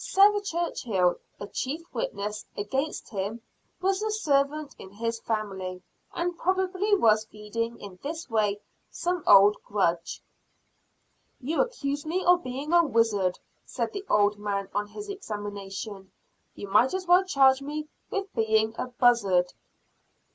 Sarah Churchill, a chief witness, against him, was a servant in his family; and probably was feeding in this way some old grudge. "You accuse me of being a wizard," said the old man on his examination; "you might as well charge me with being a buzzard."